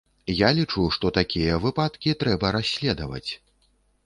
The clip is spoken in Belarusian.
Я лічу, што такія выпадкі трэба расследаваць.